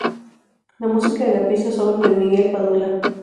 La música de la pieza es obra de Miguel Padula.